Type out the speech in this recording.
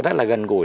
rất là gần gũi